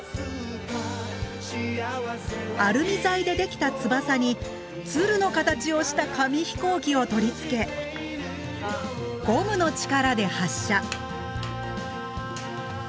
アルミ材でできた翼に鶴の形をした紙飛行機を取り付けゴムの力で発射。